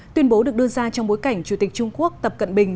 tuyên bố được đưa ra trong bối cảnh chủ tịch trung quốc tập cận bình